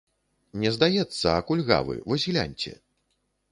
Не здаецца, а кульгавы, вось гляньце.